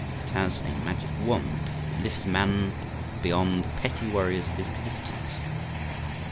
It has a magic wand that lifts man beyond the petty worries of his existence.